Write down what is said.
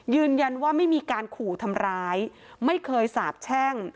ยืนยันว่าไม่มีการขู่ทำร้ายไม่เคยสาบแช่ง